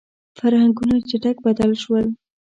• فرهنګونه چټک بدل شول.